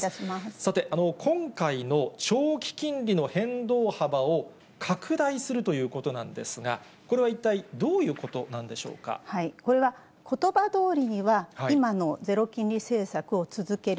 さて、今回の長期金利の変動幅を拡大するということなんですが、これはこれは、ことばどおりには、今のゼロ金利政策を続ける。